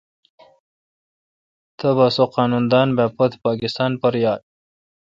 تبا سو قانون دان با پوتھ پاکستان پر یال۔